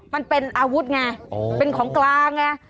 มันเป็นอาวุธไงเป็นของกลางไง